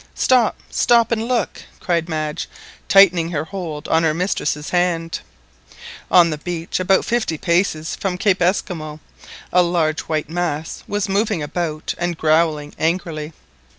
"Stop, stop, and look!" cried Madge, tightening her hold on her mistress's hand. On the beach, about fifty paces from Cape Esquimaux, a large white mass was moving about and growling angrily.